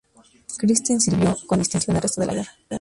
Christen sirvió con distinción el resto de la guerra.